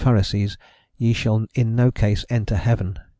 Pharisees, ye shall in no case enter Heaven."